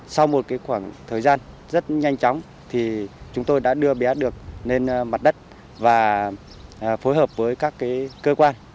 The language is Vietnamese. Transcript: sau một khoảng thời gian rất nhanh chóng thì chúng tôi đã đưa bé được lên mặt đất và phối hợp với các cơ quan